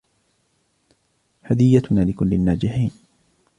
هديتنا لكل الناجحين!